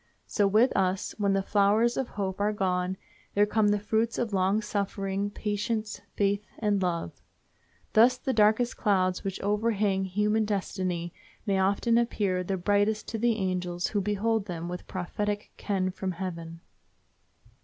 So with us, when the flowers of hope are gone, there come the fruits of long suffering, patience, faith, and love. Thus the darkest clouds which overhang human destiny may often appear the brightest to the angels who behold them with prophetic ken from heaven.